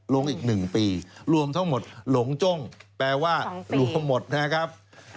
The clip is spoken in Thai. ลงอีก๑ปีรวมทั้งหมดหลงจ้งแปลว่ารวมหมดนะครับ